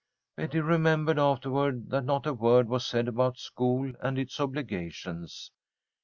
Betty remembered afterward that not a word was said about school and its obligations.